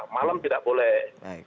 malam tidak boleh